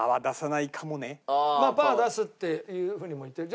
まあパー出すっていうふうにも言ってる。